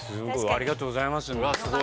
ありがとうございます！